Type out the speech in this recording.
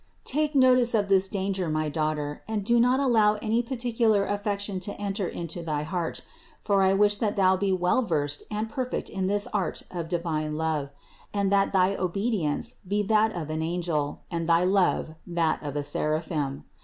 Take notice of this danger, my daughter, and do not allow any particular affection to enter into thy heart, for I wish that thou be well versed and perfect in 250 CITY OF GOD this art of divine love, and that thy obedience be that of an angel, and thy love that of a seraphim.